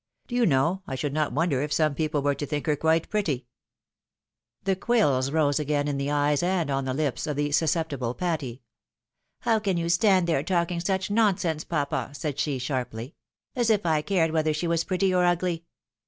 Do you know, I should not wonder if some people were to think her quite pretty." 112 THE WIDOW MAEEIED. The quills rose again in the eyes, and on the lips, of the sus ceptible Patty. " How can you stand there talking such non sense, papa," said she, sharply, " as if I cared whether she was pretty or ugly